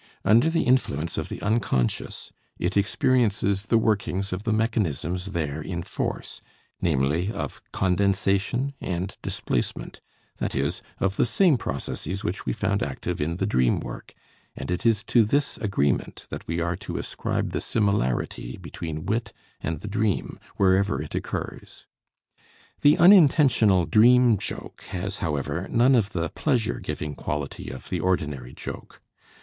Under the influence of the unconscious it experiences the workings of the mechanisms there in force, namely, of condensation and displacement, that is, of the same processes which we found active in the dream work, and it is to this agreement that we are to ascribe the similarity between wit and the dream, wherever it occurs. The unintentional "dream joke" has, however, none of the pleasure giving quality of the ordinary joke.